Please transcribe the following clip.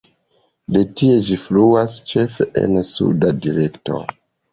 De tie ĝi fluas ĉefe en suda direkto.